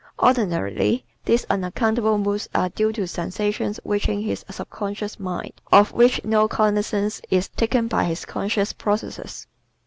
Ordinarily these unaccountable moods are due to sensations reaching his subconscious mind, of which no cognizance is taken by his conscious processes.